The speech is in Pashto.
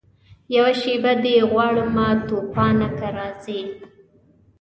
یوه شېبه دي غواړمه توپانه که راځې